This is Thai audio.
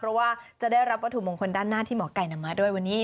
เพราะว่าจะได้รับวัตถุมงคลด้านหน้าที่หมอไก่นำมาด้วยวันนี้